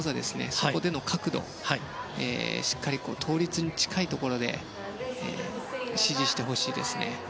そこでの角度をしっかり倒立に近いところで支持してほしいですね。